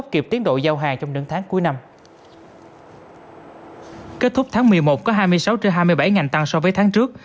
kết thúc tháng một mươi một có hai mươi sáu trên hai mươi bảy ngành tăng so với tháng trước